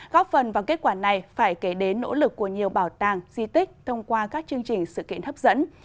góp phần vào kết quả này phải kể đến nỗ lực của nhiều bảo tàng di tích thông qua các chương trình sự kiện hấp dẫn